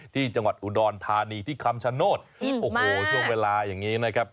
ที่จังหวัดอุดรธานีที่คำชโนธโอ้โหช่วงเวลาอย่างนี้นะครับ